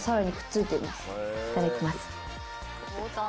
いただきます。